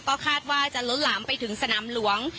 ก็คาดว่าจะล้นหลามไปถึงสนามหลวง